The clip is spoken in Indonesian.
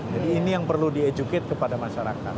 jadi ini yang perlu diedukat kepada masyarakat